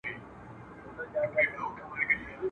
که د سهار ورک ماښام کور ته راسي ورک نه دئ !.